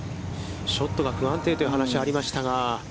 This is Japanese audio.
ショットが不安定という話がありましたが。